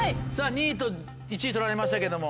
２位と１位取られましたけども。